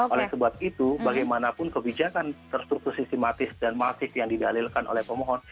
oleh sebab itu bagaimanapun kebijakan terstruktur sistematis dan masif yang didalilkan oleh pemohon